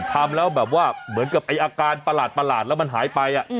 ทำแล้วเหมือนกับอาการประหลาดแล้วมันหายไป